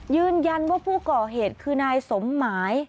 ยืนยันว่าผู้ก่อเหตุคือนายสมหมาย